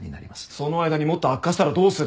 その間にもっと悪化したらどうする。